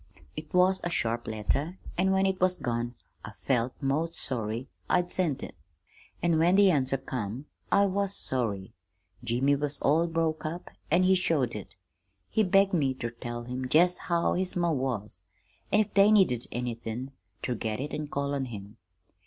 "It was a sharp letter, an' when it was gone I felt 'most sorry I'd sent it; an' when the answer come, I was sorry. Jimmy was all broke up, an' he showed it. He begged me ter tell him jest how his ma was; an' if they needed anythin', ter get it and call on him.